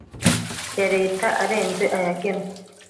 ya Leta arenze ayagenwe